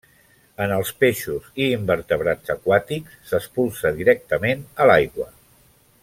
En els peixos i invertebrats aquàtics, s'expulsa directament a l'aigua.